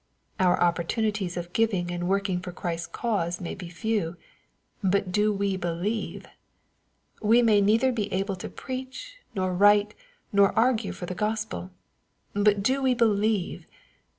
Our opportunities of giving and working for Christ's cause may be few : but do we believe ? We may neither be able to preach, nor write, nor argue for the Gospel : but do we believe